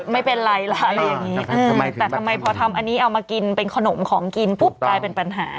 ไม่เป็นไรล่ะอะไรอย่างนี้แต่ทำไมพอทำอันนี้เอามากินเป็นขนมของกินปุ๊บกลายเป็นปัญหา